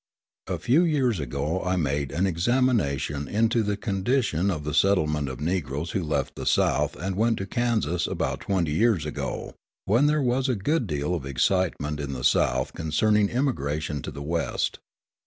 A few years ago I made an examination into the condition of a settlement of Negroes who left the South and went to Kansas about twenty years ago, when there was a good deal of excitement in the South concerning emigration to the West.